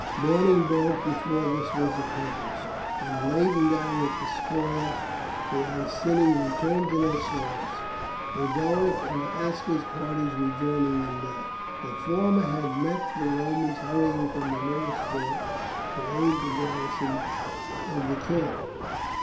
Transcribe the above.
Morning broke before this was accomplished, and laden down with spoil the Iceni returned to their swamps, Boduoc's and Aska's parties rejoining them there. The former had met the Romans hurrying from the nearest fort to aid the garrison of the camp.